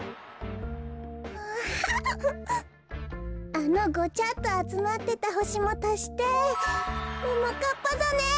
あのごちゃっとあつまってたほしもたしてももかっぱざね！